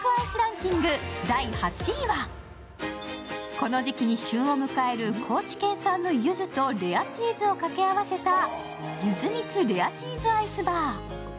この時期に旬を迎える高知県産のゆずとレアチーズを掛け合わせたゆず蜜レアチーズアイスバー。